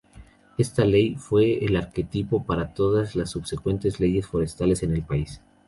Esta ley fue el arquetipo para todas las subsecuentes leyes forestales en el país.